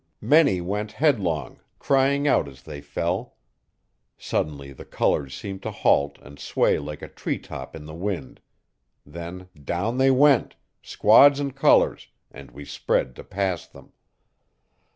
Many went headlong, crying out as they fell. Suddenly the colours seemed to halt and sway like a tree top in the wind. Then down they went! squad and colours and we spread to pass them.